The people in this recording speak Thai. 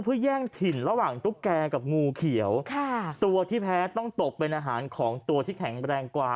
เพื่อแย่งถิ่นระหว่างตุ๊กแก่กับงูเขียวค่ะตัวที่แพ้ต้องตกเป็นอาหารของตัวที่แข็งแรงกว่า